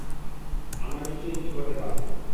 আমরা নিশ্চয়ই কিছু করতে পারবো।